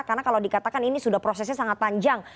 karena kalau dikatakan ini sudah prosesnya sangat panjang